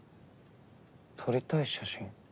撮りたい写真？